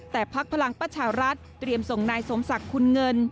แต่พักพลังประชารัฐเตรียมส่งนายสมศักดิ์คุณเงิน